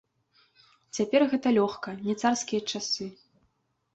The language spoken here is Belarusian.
Цяпер гэта лёгка, не царскія часы.